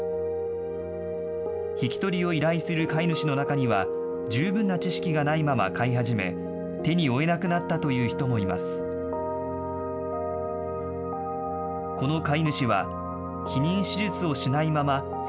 引き取りを依頼する飼い主の中には、十分な知識がないまま飼い始め、手に負えなくなったという人もいます。